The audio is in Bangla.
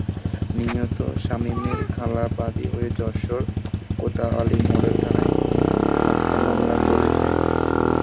নিহত শামীমের খালা বাদী হয়ে যশোর কোতোয়ালি মডেল থানায় হত্যা মামলা করেছেন।